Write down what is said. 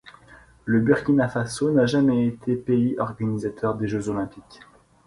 Le Burkina Faso n'a jamais été pays organisateur des Jeux olympiques.